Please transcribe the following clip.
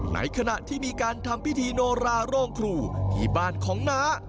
ในขณะที่มีการทำพิธีโนราโรงครูที่บ้านของน้า